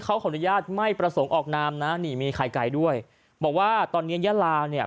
เขาขออนุญาตไม่ประสงค์ออกนามนะนี่มีไข่ไก่ด้วยบอกว่าตอนนี้ยาลาเนี่ย